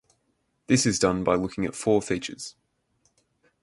This is done by looking at four features.